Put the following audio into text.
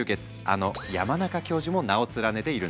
あの山中教授も名を連ねているんです。